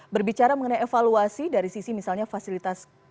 berbicara mengenai evaluasi dari sisi misalnya fasilitas